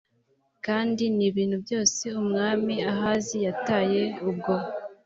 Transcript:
kandi n ibintu byose umwami ahazi yataye ubwo